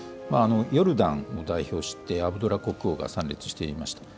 ヨルダンを代表してアブドラ国王が参列していました。